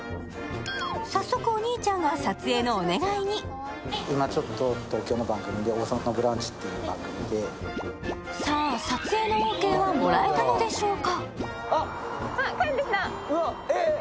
早速、お兄ちゃんが撮影のお願いにさぁ撮影のオーケーはもらえたのでしょうか？